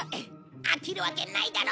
飽きるわけないだろ！